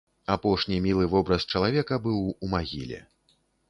Апошні мілы вобраз чалавека быў у магіле.